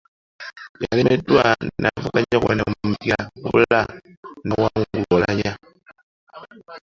Yalemeddeko n’avuganya ku bwannamunigina wabula n’awangulwa Oulanyah.